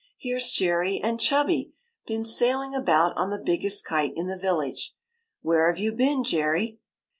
" Here's Jerry and Chubby been sailing about on the biggest kite in the village ! Where have you been, Jerry?"